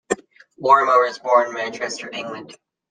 Lorimer was born in Manchester, England.